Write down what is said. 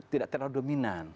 tidak terlalu dominan